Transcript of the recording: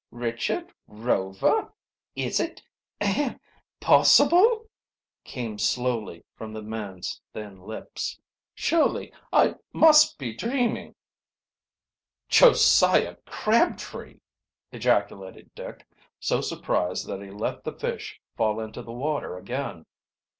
"Richard Rover, is it ahem possible?" came slowly from the man's thin lips. "Surely I must be dreaming!" "Josiah Crabtree!" ejaculated Dick, so surprised that he let the fish fall into the water again.